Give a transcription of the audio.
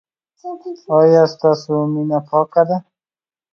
ایا ستاسو مینه پاکه ده؟